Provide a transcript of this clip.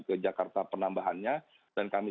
ke jakarta penambahannya dan kami